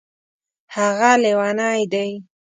هغه لیونی دی